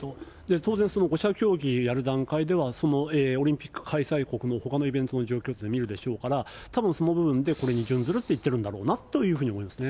当然、５者協議やる段階では、そのオリンピック開催国のほかのイベントの状況というのを見るでしょうから、たぶんその部分でこれに準ずると言ってるんだろうなと思いますね。